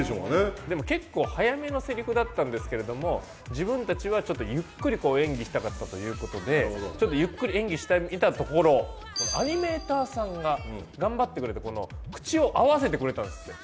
でも結構速めのセリフだったんですけれども自分たちはちょっとゆっくり演技したかったということでちょっとゆっくり演技していたところアニメーターさんが頑張ってくれて口を合わせてくれたんっすって。